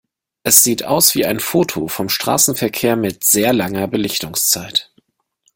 Es sieht aus wie ein Foto vom Straßenverkehr mit sehr langer Belichtungszeit.